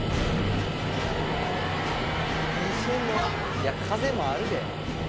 いや風もあるで。